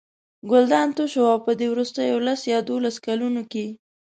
ګلدان تش و او په دې وروستیو لس یا یوولسو کلونو کې.